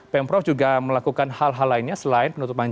pemprov juga melakukan hal hal lainnya selain penutupan jalan